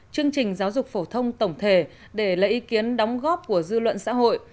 chương trình giáo dục phổ thông tổng thể để lấy ý kiến đóng góp của dư luận xã hội